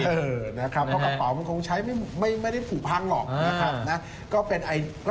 เพราะกระเป๋ามันคงใช้ไม่ได้ผูพังหรอกนะครับ